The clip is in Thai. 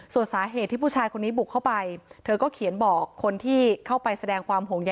ส่วนสาเหตุที่ผู้ชายคนนี้บุกเข้าไปเธอก็เขียนบอกคนที่เข้าไปแสดงความห่วงใย